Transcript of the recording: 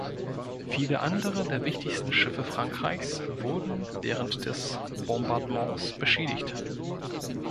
Viele andere der wichtigsten Schiffe Frankreichs wurden während des Bombardements beschädigt.